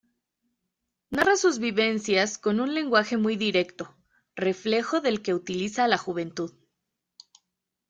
Narra sus vivencias con un lenguaje muy directo, reflejo del que utiliza la juventud.